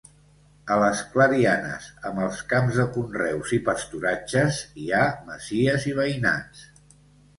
A les clarianes, amb els camps de conreus i pasturatges, hi ha masies i veïnats.